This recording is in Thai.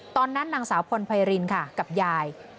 ตอนนั้นหนังสาวผนภรรินฯค่ะกับยาย